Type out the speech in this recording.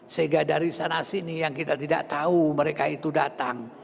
sehingga dari sana sini yang kita tidak tahu mereka itu datang